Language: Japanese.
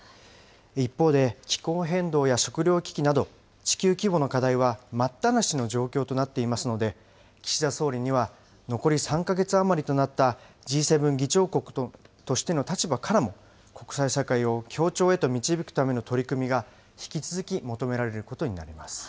一方で、気候変動や食料危機など、地球規模の課題は待ったなしの状況となっていますので、岸田総理には残り３か月余りとなったＧ７議長国としての立場からも、国際社会を協調へと導くための取り組みが、引き続き求められることになります。